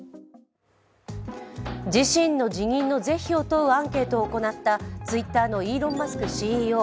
自身の辞任の是非を問うアンケートを行ったＴｗｉｔｔｅｒのイーロン・マスクＣＥＯ。